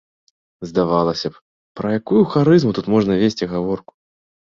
Здавалася б, пра якую харызму тут можна весці гаворку!